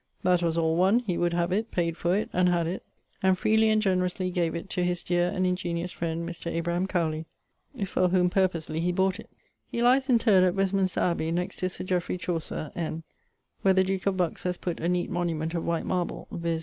That was all one, he would have it, payd for it, and had it, and freely and generously gave it to his deare and ingeniose friend, Mr. Abraham Cowley, for whom purposely he bought it. He lies interred at Westminster Abbey, next to Sir Jeffrey Chaucer, N., where the duke of Bucks has putt a neate monument of white marble, viz.